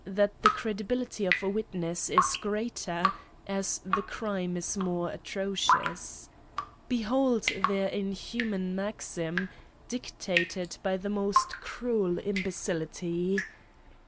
that the credibility of a witness is greater as the crime is more atrocious. Behold their inhuman maxim, dictated by the most cruel imbecility.